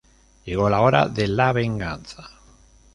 Llegó la hora de la venganza".